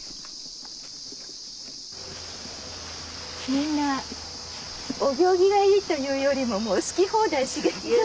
みんなお行儀がいいというよりももう好き放題茂ってる。